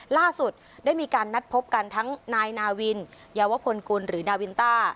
ล่าสุดได้มีการนัดพบกันทั้งนายนาวินยาวพลกุลหรือนาวินต้า